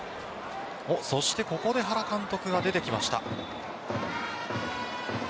そして、ここで原監督が出てきました。